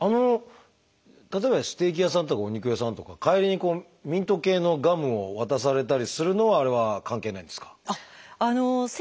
例えばステーキ屋さんとかお肉屋さんとか帰りにミント系のガムを渡されたりするのはあれは関係ないんですか？